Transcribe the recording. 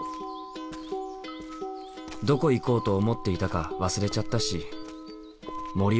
どこ行こうと思っていたか忘れちゃったし森を歩くか。